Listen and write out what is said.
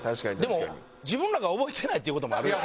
でも自分らが覚えてないっていう事もあるやろ。